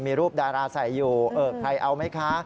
มีรูปดาราใส่อยู่เออใครเอาไหมคะ